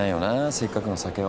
せっかくの酒を。